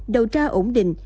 đầu tra ổn định